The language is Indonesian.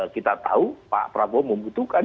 kita tahu pak prabowo membutuhkan